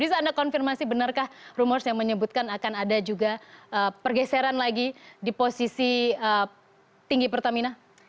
bisa anda konfirmasi benarkah rumors yang menyebutkan akan ada juga pergeseran lagi di posisi tinggi pertamina